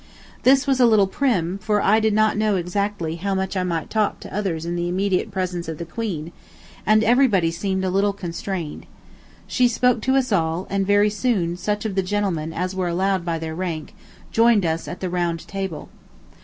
This was a little prim, for I did not know exactly how much I might talk to others in the immediate presence of the Queen, and everybody seemed a little constrained. She spoke to us all, and very soon such of the gentlemen as were allowed by their rank, joined us at the round table.